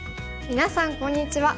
みなさんこんにちは。